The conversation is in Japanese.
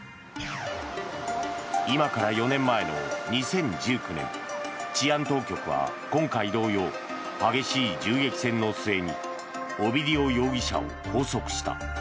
今から４年前の２０１９年治安当局は今回同様激しい銃撃戦の末にオビディオ容疑者を拘束した。